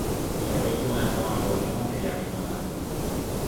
Il retourne un temps à Lorient puis arrive à Paris.